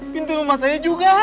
pintu rumah saya juga